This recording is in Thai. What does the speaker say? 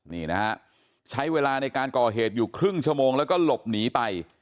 นี่นะฮะใช้เวลาในการก่อเหตุอยู่ครึ่งชั่วโมงแล้วก็หลบหนีไป